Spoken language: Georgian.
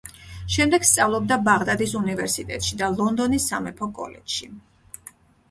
შემდეგ სწავლობდა ბაღდადის უნივერსიტეტში და ლონდონის სამეფო კოლეჯში.